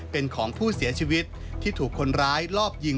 เป็นของผู้เสียชีวิตที่ถูกคนร้ายลอบยิง